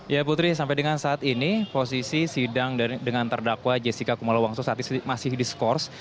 ya putri sampai dengan saat ini posisi sidang dengan terdakwa jessica kumala wongso saat ini masih diskors